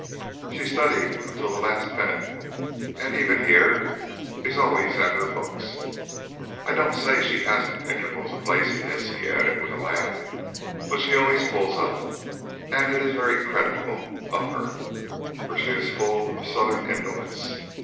She studied until the last minute, and even here is always at her books. I don't say she hasn't intervals of laziness," he added with a laugh, "but she always pulls up; and it is very creditable of her, for she is full of Southern indolence.